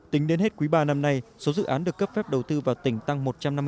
tính đến hết quý ba năm nay số dự án được cấp phép đầu tư vào tỉnh tăng một trăm năm mươi